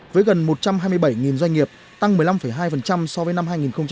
với gần một trăm hai mươi bảy doanh nghiệp tăng một mươi năm hai so với năm hai nghìn một mươi tám